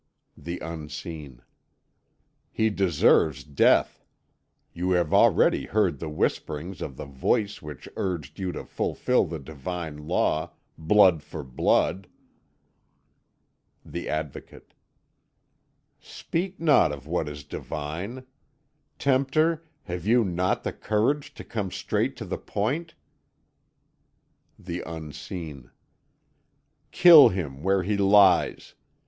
The Unseen: "He deserves death! You have already heard the whisperings of the voice which urged you to fulfil the divine law, Blood for blood!" The Advocate: "Speak not of what is Divine. Tempter, have you not the courage to come straight to the point?" The Unseen: "Kill him where he lies!